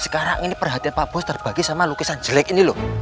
sekarang ini perhatian pak bos terbagi sama lukisan jelek ini loh